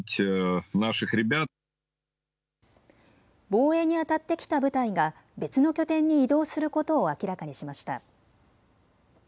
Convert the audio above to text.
防衛にあたってきた部隊が別の拠点に移動することを明らかにしました。